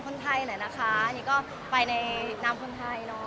คนไทยหน่อยนะคะอันนี้ก็ไปในนามคนไทยเนอะ